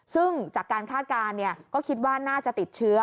ซึ่งจากการคาดการณ์ก็คิดว่าน่าจะติดเชื้อ